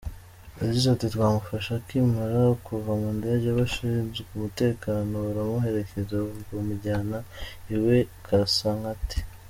Yagize ati “ Twamufashe akimara kuva mu ndege, abashinzwe umutekano baramuherekeza bamujyana iwe i Kasangati.